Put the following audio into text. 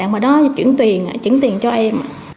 bạn đó chuyển tiền chuyển tiền cho em